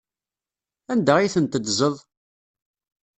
Anda ay ten-teddzeḍ?